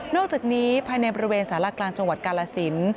อกจากนี้ภายในบริเวณสารกลางจังหวัดกาลสิน